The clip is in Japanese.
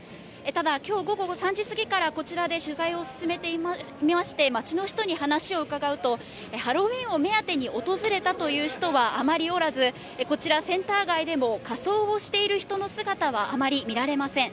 ただ、きょう午後３時過ぎからこちらで取材を進めてみまして、街の人に話を伺うと、ハロウィーンを目当てに訪れたという人はあまりおらず、こちら、センター街でも仮装をしている人の姿はあまり見られません。